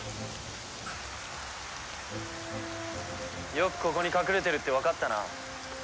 よくここに隠れてるってわかったな。